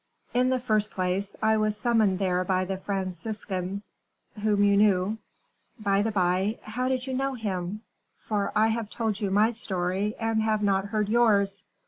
In the first place, I was summoned there by the Franciscan whom you knew. By the by, how did you know him? for I have told you my story, and have not yet heard yours."